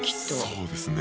そうですね。